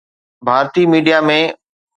Bharti media ۾